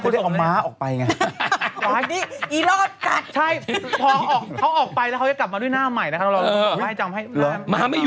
เขาได้ออกมาม้าออกไปไง